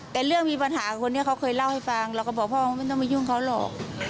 แต่เรื่องมีปัญหาคนนี้เขาเคยเล่าให้ฟังเราก็บอกพ่อว่าไม่ต้องมายุ่งเขาหรอก